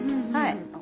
はい。